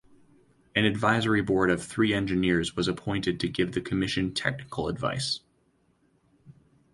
An Advisory Board of three engineers was appointed to give the Commission technical advice.